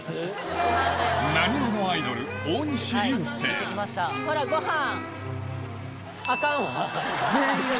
なにわのアイドルほらごはん！